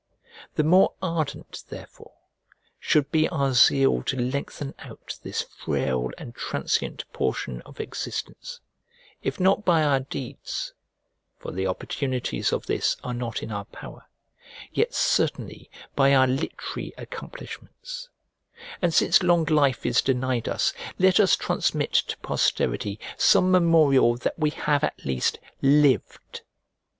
The more ardent therefore should be our zeal to lengthen out this frail and transient portion of existence, if not by our deeds (for the opportunities of this are not in our power) yet certainly by our literary accomplishments; and since long life is denied us, let us transmit to posterity some memorial that we have at least LIVED.